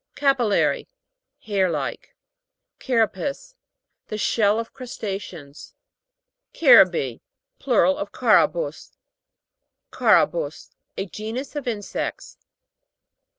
CAPIL'LARY. Hair like. CA'RAPACE, The shell of crusta ceans, CA'RABI. Plural of Carabus. CA'RABUS. A genus of insects.